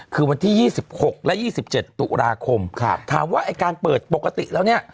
คือวันที่ยี่สิบหกและยี่สิบเจ็ดตุลาคมครับถามว่าไอ้การเปิดปกติแล้วเนี่ย